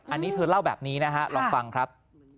อันนี้เธอเล่าแบบนี้นะฮะลองฟังครับ